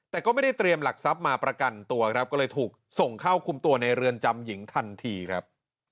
แต่ก็ไม่ได้เตรียมหลักทรัพย์มาประกันตัวครับก็เลยถูกส่งเข้าคุมตัวในเรือนจำหญิงทันทีครับ